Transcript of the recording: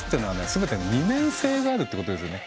全て二面性があるっていうことですよね。